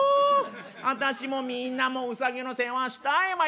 あたしもみんなもウサギの世話したいわよ。